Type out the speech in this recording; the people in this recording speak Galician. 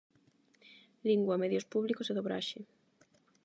Lingua, medios públicos e dobraxe.